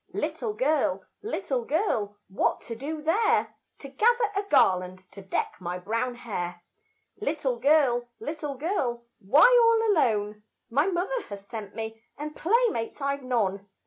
Little girl, little girl, what to do there? To gather a garland to deck my brown hair. Little girl, little girl, why all alone? My mother has sent me, and playmates I've none.